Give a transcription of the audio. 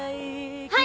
はい！